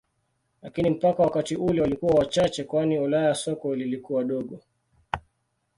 Lakini mpaka wakati ule walikuwa wachache kwani Ulaya soko lilikuwa dogo.